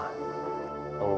engkau menebar kejahatan